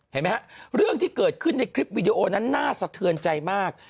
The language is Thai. เห็นไหมฮะเรื่องที่เกิดขึ้นในคลิปวิดีโอนั้นน่าสะเทือนใจมาก